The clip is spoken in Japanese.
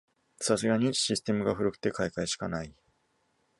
さすがにシステムが古くて買い替えしかない